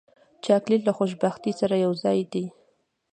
چاکلېټ له خوشبختۍ سره یوځای دی.